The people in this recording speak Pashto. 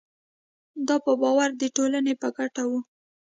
دا په باور د ټولنې په ګټه وو.